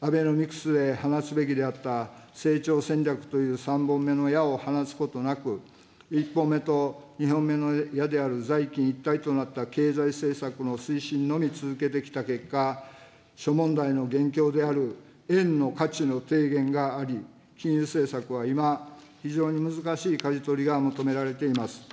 アベノミクスで放つべきであった成長戦略という３本目の矢を放つことなく、１本目と２本目の矢である財金一体となった経済政策の推進のみ続けてきた結果、諸問題の元凶である円の価値の低減があり、金融政策は今、非常に難しいかじ取りが求められています。